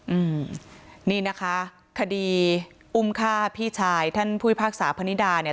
อืมนี่นะคะคดีอุ้มค่าพี่ชายท่านพุยภาคสาวภรรณิดาเนี้ย